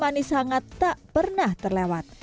manis hangat tak pernah terlewat